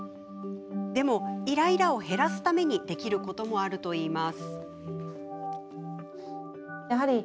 でも、イライラを減らすためにできることもあるといいます。